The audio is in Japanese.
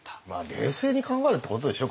冷静に考えるってことでしょ？